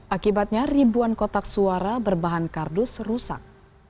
akibatnya ribuan kotak suara berbahan kardus rusak